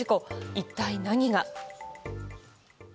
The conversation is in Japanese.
一体何が。